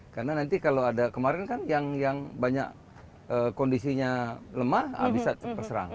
karena nanti kalau ada kemarin kan yang banyak kondisinya lemah bisa terserang